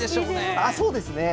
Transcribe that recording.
そうですね。